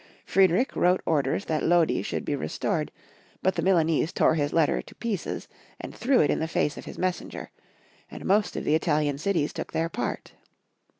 Friedrich wrote orders that Lodi should be re stored ; but the Milanese tore his letter to pieces, and threw it in the face of his messenger, and most of the Italian cities took their part.